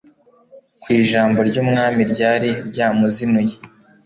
kuko ijambo ry umwami ryari ryamuzinuye